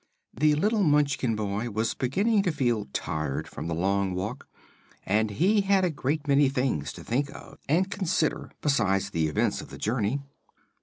The little Munchkin boy was beginning to feel tired from the long walk, and he had a great many things to think of and consider besides the events of the journey.